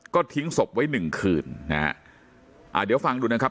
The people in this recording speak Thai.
ก็ทิ้งศพไว้หนึ่งคืนนะฮะอ่าเดี๋ยวฟังดูนะครับ